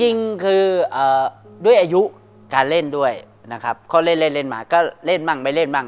จริงคือด้วยอายุการเล่นด้วยเค้าเล่นมาก็เล่นบ้างไม่เล่นบ้าง